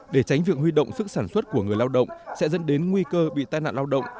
để tránh việc huy động sức sản xuất của người lao động sẽ dẫn đến nguy cơ bị tai nạn lao động